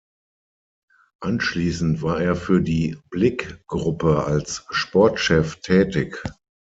Anschließend war er für die Blick-Gruppe als Sportchef tätig.